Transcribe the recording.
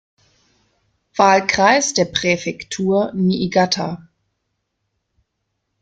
Wahlkreis der Präfektur Niigata.